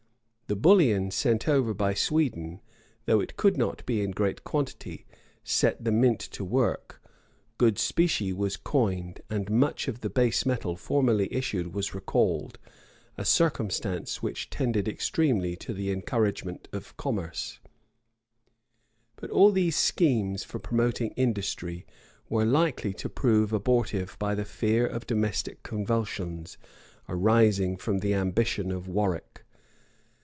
[] The bullion sent over by Sweden, though it could not be in great quantity, set the mint to work: good specie was coined, and much of the base metal formerly issued was recalled: a circumstance which tended extremely to the encouragement of commerce. * Hayward, p. 323 Heylin, p. 108. Strype's Mem. vol. ii. p 295. Heylin p 109. But all these schemes for promoting industry were likely to prove abortive by the fear of domestic convulsions, arising from the ambition of Warwick.